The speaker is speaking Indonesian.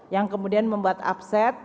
yang kemudian membuat upset